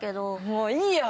もういいよ！